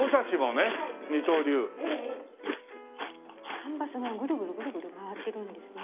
カンバスがぐるぐるぐるぐる回っているんですね。